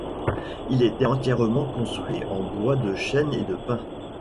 Il était entièrement construit en bois de chêne et de pin.